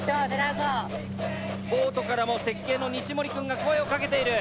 ボートからも設計の西森くんが声をかけている。